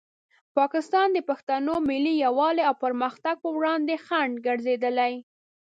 پاکستان د پښتنو ملي یووالي او پرمختګ په وړاندې خنډ ګرځېدلی.